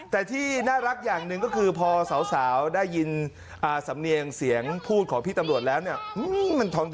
แต่ที่น่ารักอย่างหนึ่งก็คือพอสาวได้ยินสำเนียงเสียงพูดของพี่ตำรวจแล้วเนี่ย